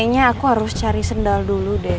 kayaknya aku harus cari sendal dulu deh